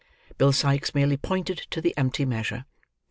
Bill Sikes merely pointed to the empty measure.